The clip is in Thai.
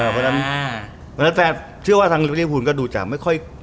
เพราะฉะนั้นแฟนเชื่อว่าทางลิฟูลก็ดูจะไม่ค่อย